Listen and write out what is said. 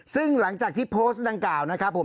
ซึ่งหลังจากที่โพสต์ดังกล่าวนะครับผม